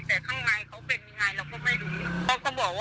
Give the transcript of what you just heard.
แต่ข้างในเขาเป็นยังไงเราก็ไม่รู้